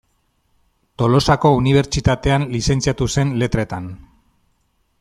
Tolosako unibertsitatean lizentziatu zen Letretan.